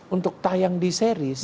untuk tayang di series